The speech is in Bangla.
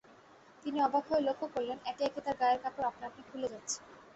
তিনি অবাক হয়ে লক্ষ করলেন, একে-একে তাঁর গায়ের কাপড় আপনা-আপনি খুলে যাচ্ছে।